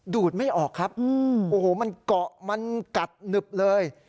ดูดไม่ออกครับโอ้โหมันเกาะมันกัดหนึบเลย